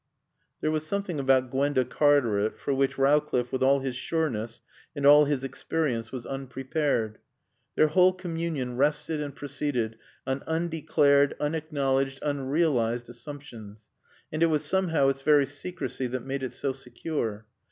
There was something about Gwenda Cartaret for which Rowcliffe with all his sureness and all his experience was unprepared. Their whole communion rested and proceeded on undeclared, unacknowledged, unrealised assumptions, and it was somehow its very secrecy that made it so secure.